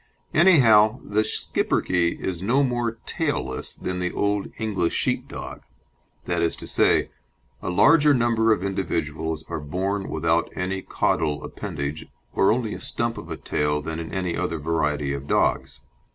Anyhow the Schipperke is no more "tailless" than the old English Sheepdog. That is to say a larger number of individuals are born without any caudal appendage or only a stump of a tail than in any other variety of dogs.